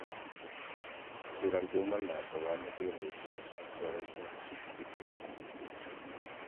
Durante un mandato, varios ministros pueden ser sustituidos.